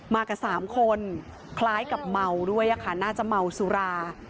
มากับ๓คนคล้ายกับเมาด้วยค่ะน่าจะเมาสุรา